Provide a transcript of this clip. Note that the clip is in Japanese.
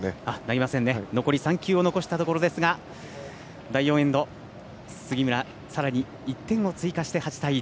残り３球を残したところですが第４エンド、杉村さらに１点を追加して８対１。